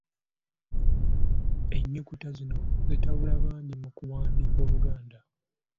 Ennukuta zino zitabula bangi mu kuwandiika Oluganda